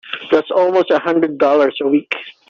That's almost a hundred dollars a week!